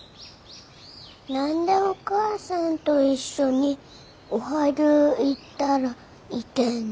何でお母さんと一緒におはぎゅう売ったらいけんの？